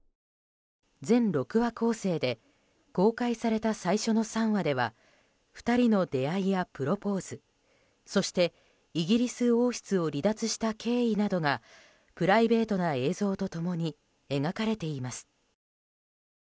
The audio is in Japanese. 全６話構成で公開された最初の３話では２人の出会いやプロポーズそしてイギリス王室を離脱した経緯などがプライベートな映像と共に描かれています。